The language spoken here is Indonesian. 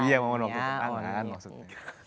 iya momen waktu tunangan maksudnya